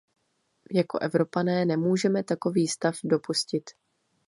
Jako Evropané nemůžeme takový stav dopustit.